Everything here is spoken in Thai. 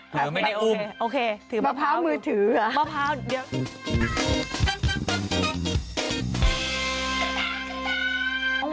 ถือใช่ไหมใช้คำว่าถือนะ